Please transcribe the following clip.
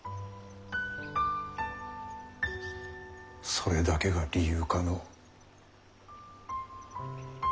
それだけが理由かの。